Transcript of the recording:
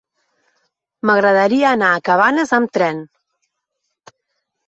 M'agradaria anar a Cabanes amb tren.